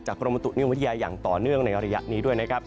กรมบุตุนิยมวิทยาอย่างต่อเนื่องในระยะนี้ด้วยนะครับ